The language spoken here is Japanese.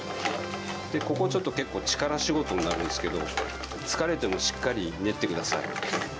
ここ、ちょっと結構力仕事になるんですけど疲れてもしっかり練ってください。